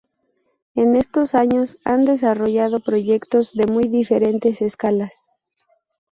En estos años han desarrollado proyectos de muy diferentes escalas.